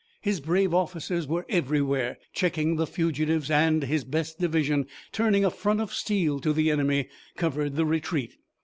His brave officers were everywhere, checking the fugitives and, his best division turning a front of steel to the enemy, covered the retreat.